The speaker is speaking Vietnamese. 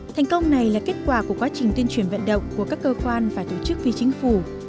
thành công này là kết quả của quá trình tuyên truyền vận động của các cơ quan và tổ chức phi chính phủ